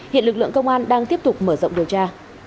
hiện lực lượng công an đang tiếp tục mở rộng điều tra